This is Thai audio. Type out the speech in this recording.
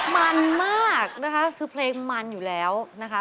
มันมากนะคะคือเพลงมันอยู่แล้วนะคะ